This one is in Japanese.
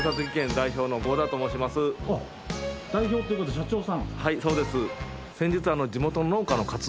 代表という事は社長さん？